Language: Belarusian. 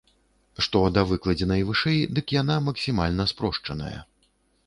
Што да выкладзенай вышэй, дык яна максімальна спрошчаная.